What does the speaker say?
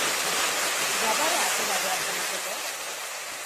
Gabarra atera beharko lukete?